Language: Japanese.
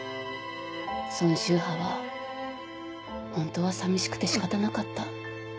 孫秀波はホントはさみしくて仕方なかった。